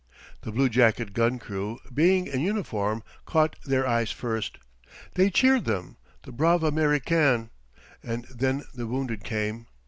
The bluejacket gun crew, being in uniform, caught their eyes first. They cheered them, the brav' Américains. And then the wounded came.